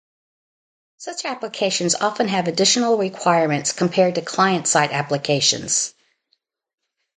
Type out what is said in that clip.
Such applications often have additional requirements compared to client-side applications.